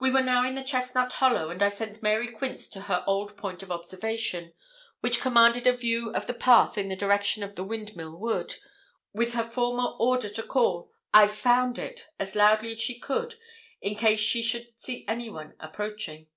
We were now in the Chestnut Hollow, and I sent Mary Quince to her old point of observation, which commanded a view of the path in the direction of the Windmill Wood, with her former order to call 'I've found it,' as loudly as she could, in case she should see anyone approaching.